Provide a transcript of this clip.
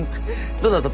どうだった？